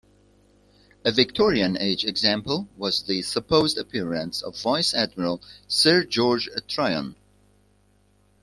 A Victorian age example was the supposed appearance of Vice-Admiral Sir George Tryon.